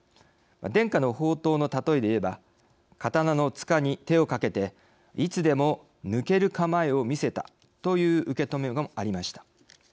伝家の宝刀の例えでいえば刀の束に手をかけていつでも抜ける構えを見せたという受け止めもありました。